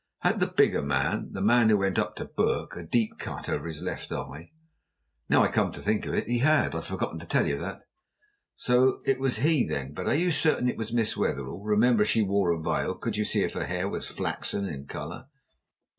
Had the bigger man the man who went up to Bourke, a deep cut over his left eye?" "Now I come to think of it, he had. I'd forgotten to tell you that." "So it was he, then? But are you certain it was Miss Wetherell? Remember she wore a veil. Could you see if her hair was flaxen in colour?"